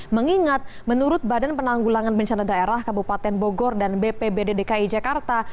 mengingat menurut badan penanggulangan bencana daerah kabupaten bogor dan bpbd dki jakarta